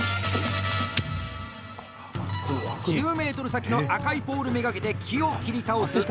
１０ｍ先の赤いポール目がけて木を切り倒す一見